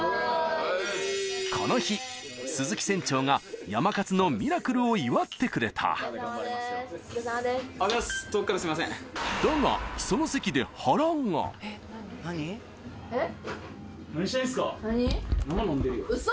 この日鈴木船長がやまかつのミラクルを祝ってくれただがそのえっ？